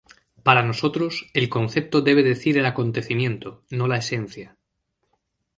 Para nosotros, el concepto debe decir el acontecimiento, no la esencia.